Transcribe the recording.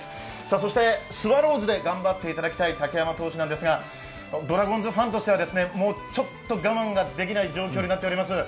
そしてスワローズで頑張っていただきたい竹山投手ですが、ドラゴンズファンとしてはもう、ちょっと我慢ができない状況となっています。